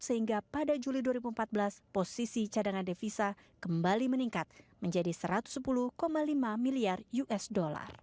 sehingga pada juli dua ribu empat belas posisi cadangan devisa kembali meningkat menjadi satu ratus sepuluh lima miliar usd